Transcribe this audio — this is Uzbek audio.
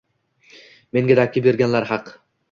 Menga dakki berganlar haq